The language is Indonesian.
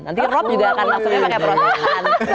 nanti rob juga akan masuknya pakai perosotan